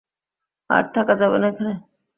আর থাকা যাবে না এখানে।